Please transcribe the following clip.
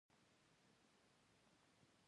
په هوا او په خیالونو کي